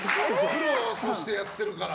プロとしてやってるから。